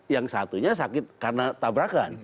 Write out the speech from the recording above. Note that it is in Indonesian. yang satunya sakit karena tabrakan